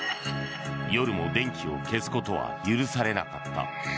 夜も電気を消すことは許されなかった。